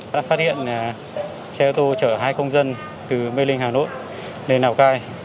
đã phát hiện xe ô tô chở hai công dân từ mê linh hà nội lên lào cai